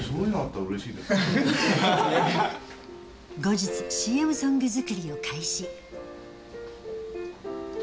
後日、ＣＭソング作りを開始。